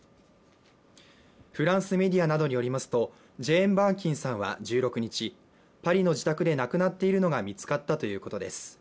フランスメディアなどによりますと、ジェーン・バーキンさんは１６日パリの自宅で亡くなっているのが見つかったということです。